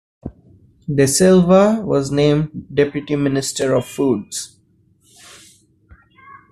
De Silva was named deputy minister of foods.